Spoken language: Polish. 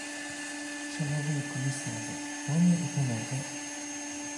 Szanowni komisarze, panie i panowie